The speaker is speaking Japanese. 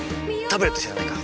タブレット知らないか？